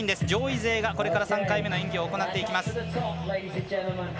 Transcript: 上位勢がこれから３回目の演技を行っていきます。